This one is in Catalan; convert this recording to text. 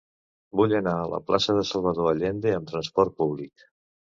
Vull anar a la plaça de Salvador Allende amb trasport públic.